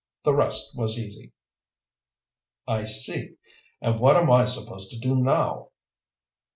The rest was easy." "I see. And what am I supposed to do now?"